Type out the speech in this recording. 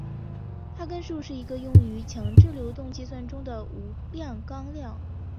哈根数是一个用于强制流动计算中的无量纲量。